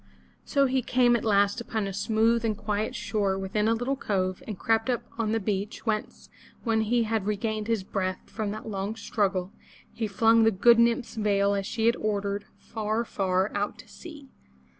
So he came at last upon a smooth and quiet shore within a little cove and crept up on the beach, whence, when he had re gained his breath from that long struggle, he flung the good nymph's veil as she had ordered, far, far out to sea.